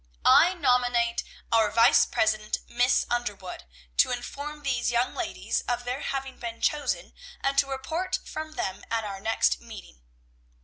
"I nominate our vice president, Miss Underwood, to inform these young ladies of their having been chosen, and to report from them at our next meeting.